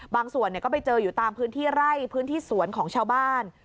บางส่วนก็ไปเจออยู่ตามพื้นที่ไร่พื้นที่สวนของชาวบ้าน